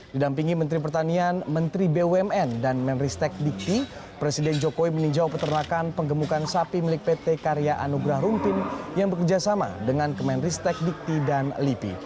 didampingi menteri pertanian menteri bumn dan menristek dikti presiden jokowi meninjau peternakan penggemukan sapi milik pt karya anugrah rumpin yang bekerjasama dengan kemenristek dikti dan lipi